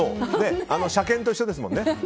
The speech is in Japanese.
車検と一緒ですもんね。